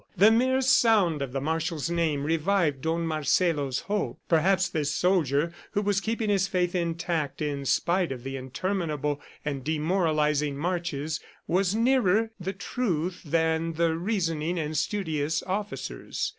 The mere sound of the Marshal's name revived Don Marcelo's hope. Perhaps this soldier, who was keeping his faith intact in spite of the interminable and demoralizing marches, was nearer the truth than the reasoning and studious officers.